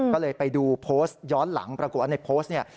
ก็เลยไปดูโพสต์ย้อนหลังปรากฎในโพสต์